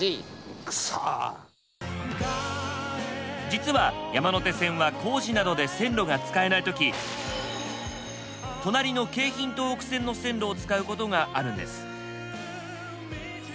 実は山手線は工事などで線路が使えない時隣の京浜東北線の線路を使うことがあるんです。